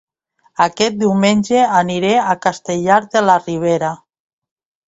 Aquest diumenge aniré a Castellar de la Ribera